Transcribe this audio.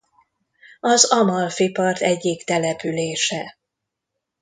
Az Amalfi-part egyik települése.